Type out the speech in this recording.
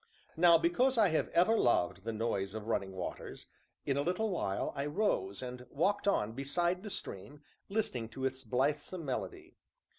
Now because I have ever loved the noise of running waters, in a little while, I rose and walked on beside the stream, listening to its blithesome melody.